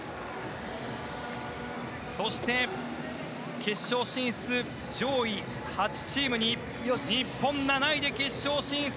そして、決勝進出上位８チームに日本、７位で決勝進出。